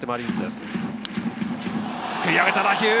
すくい上げた打球。